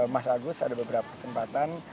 mas agus ada beberapa kesempatan